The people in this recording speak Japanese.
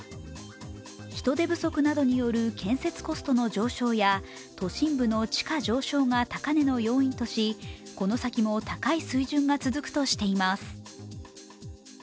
人手不足などによる建設コストの上昇や都心部の地価上昇が高値の要因とし、この先も高い水準が続くとしています。